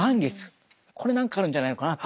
これ何かあるんじゃないのかなと。